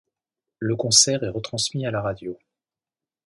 Le concert est retransmis à la radio.